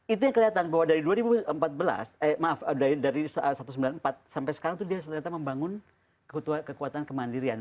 itu yang kelihatan bahwa dari dua ribu empat belas eh maaf dari satu ratus sembilan puluh empat sampai sekarang tuh dia ternyata membangun kekuatan kemandirian